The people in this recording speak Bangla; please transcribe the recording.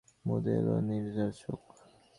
মুদে এল নীরজার চোখ।